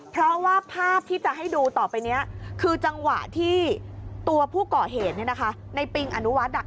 เพราะว่าภาพที่จะให้ดูต่อไปนี้คือจังหวะที่ตัวผู้ก่อเหตุในปิงอนุวัฒน์